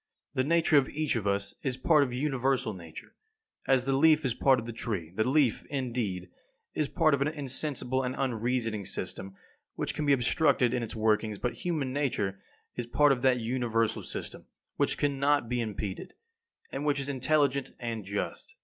The nature of each of us is part of universal Nature, as the leaf is part of the tree; the leaf, indeed, is part of an insensible and unreasoning system which can be obstructed in its workings; but human nature is part of that universal system which cannot be impeded, and which is intelligent and just.